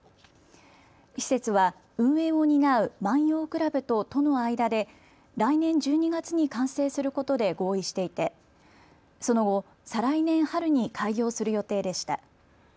施設は運営を担う万葉倶楽部と都の間で来年１２月に完成することで合意していてその後、再来年春に開業する予定でした。